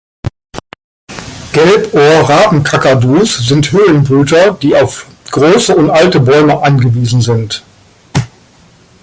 Gelbohr-Rabenkakadus sind Höhlenbrüter, die auf große und alte Bäume angewiesen sind.